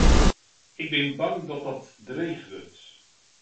Ik bin bang dat dat dreech wurdt.